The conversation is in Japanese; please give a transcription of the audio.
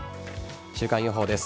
週間予報です。